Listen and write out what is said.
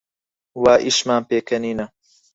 وا ئیشمان پێکەنینە